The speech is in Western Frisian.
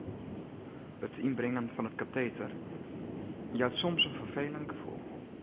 It ynbringen fan it kateter jout soms in ferfelend gefoel.